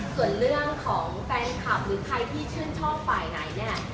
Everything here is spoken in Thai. ส่วนเรื่องของแฟนคลับหรือใครที่ชื่นชอบฝ่ายไหนเนี่ย